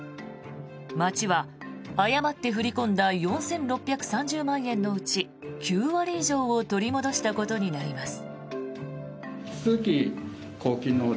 町は誤って振り込んだ４６３０万円のうち９割以上を取り戻したことになります。